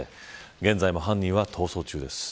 現在も犯人は逃走中です。